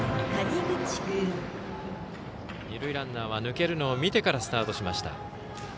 二塁ランナーは抜けるのを見てからスタートしました。